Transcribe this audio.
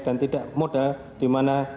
dan tidak mudah dimana